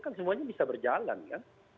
kan semuanya bisa berjalan ya